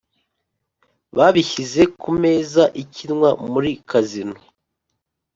Babishyize ku meza ikinwa muri kazino